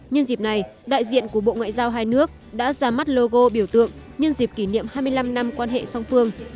nhân dịp này đại diện của bộ ngoại giao hai nước đã ra mắt logo biểu tượng nhân dịp kỷ niệm hai mươi năm năm quan hệ song phương